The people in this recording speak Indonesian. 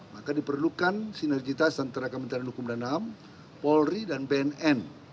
maka diperlukan sinergitas antara kementerian hukum dan ham polri dan bnn